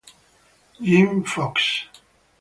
Jim Fox